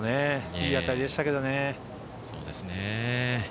いい当たりでしたけどね。